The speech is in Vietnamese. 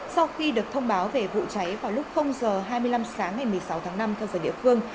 sau khi được thông báo về vụ cháy vào lúc h hai mươi năm sáng ngày một mươi sáu tháng năm theo giờ địa phương